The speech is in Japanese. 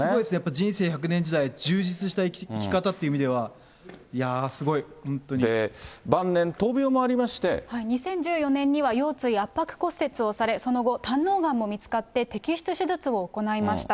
人生１００年時代、充実した生き方っていう意味では、いやあ、す晩年、２０１４年には、腰椎圧迫骨折をされ、その後、胆のうがんも見つかって摘出手術を行いました。